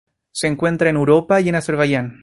Se encuentra en Europa y en Azerbaiyán.